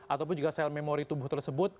ataupun juga sel memori tubuh tersebut